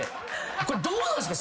これどうなんすか？